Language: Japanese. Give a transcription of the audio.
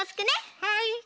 はい。